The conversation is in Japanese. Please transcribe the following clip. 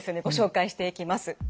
ご紹介していきます。